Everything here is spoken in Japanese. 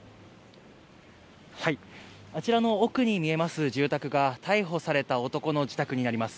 あちらの奥に見えます住宅が、逮捕された男の自宅になります。